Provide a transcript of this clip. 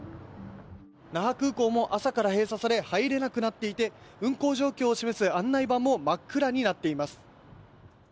那覇空港も朝から閉鎖され入れなくなっていて運航状況を示す案内板も真っ暗になっています。